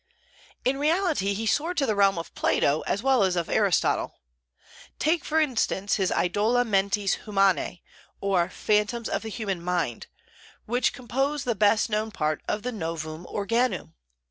In reality he soared to the realm of Plato as well as of Aristotle. Take, for instance, his Idola Mentis Humanae, or "Phantoms of the Human Mind," which compose the best known part of the "Novum Organum."